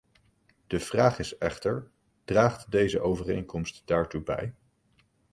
De vraag is echter: draagt deze overeenkomst daartoe bij?